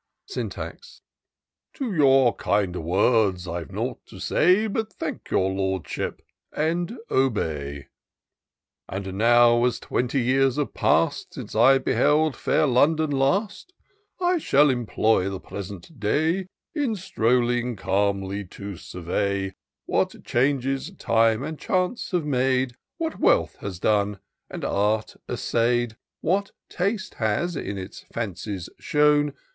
'' Syntax. To your kind words I've nought to say, But thank your Lordship, and obey. And now, as twenty years have pass'd Since I beheld fair London last, I shall employ the present day In strolling calmly to survey What changes time and chance have made, What wealth has done, and art essay'd. What taste has, in its fancies, shown.